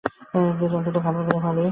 Please অন্তত খাবারগুলো ভালোই।